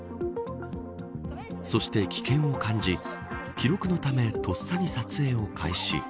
そして、危険を感じ記録のためとっさに撮影を開始。